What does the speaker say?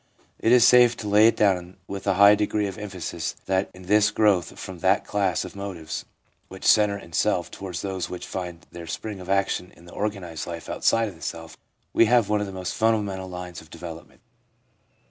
It is safe to lay it down with a high degree of emphasis that in this growth from that class of motives which centre in self towards those which find their spring of action in the organised life outside of the self, we have one of the most fundamental lines of development.